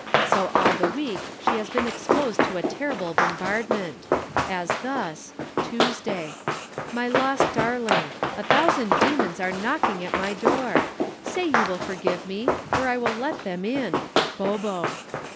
So all the week she has been exposed to a terrible bombardment. "As thus (Tuesday.) 'My lost darling. A thousand demons are knocking at my door. Say you forgive me or I will let them in. BOBO.'